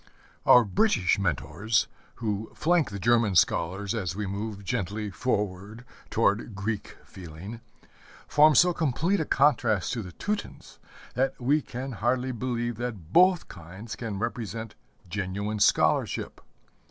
Our British mentors, who flank the German scholars as we move gently forward toward Greek feeling, form so complete a contrast to the Teutons that we hardly believe that both kinds can represent genuine scholarship.